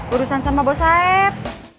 urusan sama bos saeb